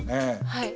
はい。